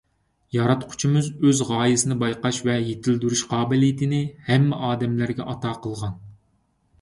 ياراتقۇچىمىز ئۆز غايىسىنى بايقاش ۋە يېتىلدۈرۈش قابىلىيىتىنى ھەممە ئادەملەرگە ئاتا قىلغان.